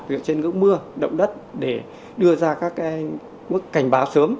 từ trên ngưỡng mưa động đất để đưa ra các mức cảnh báo sớm